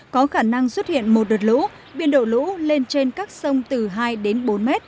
có khả năng xuất hiện một đợt lũ biên độ lũ lên trên các sông từ hai đến bốn m